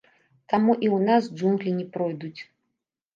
Таму і ў нас джунглі не пройдуць.